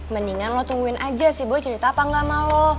mendingan lo tungguin aja sih boy cerita apa enggak sama lo